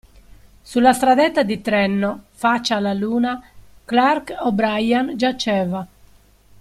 Sulla stradetta di Trenno, faccia alla luna, Clark O' Brian giaceva.